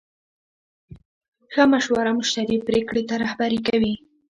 ښه مشوره مشتری پرېکړې ته رهبري کوي.